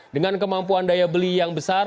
dengan kemampuan daya beli yang besar